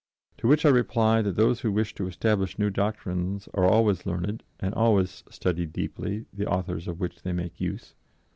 To which I reply that those who wish to establish new doctrines are always learned and always study deeply the authors of which they make use.